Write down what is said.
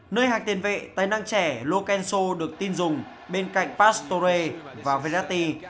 nơi hạng tiền vệ tài năng trẻ lokenso được tin dùng bên cạnh pastore và verratti